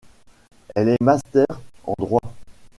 Elle est master en droit.